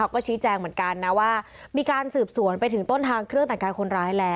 ก็ชี้แจงเหมือนกันนะว่ามีการสืบสวนไปถึงต้นทางเครื่องแต่งกายคนร้ายแล้ว